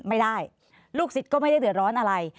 ไม่ได้ลูกศิษย์ก็ไม่ได้เดือดร้อนอะไร